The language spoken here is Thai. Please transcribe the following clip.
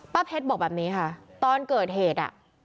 เพชรบอกแบบนี้ค่ะตอนเกิดเหตุอ่ะ